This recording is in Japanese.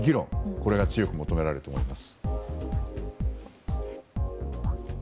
これが求められると思います。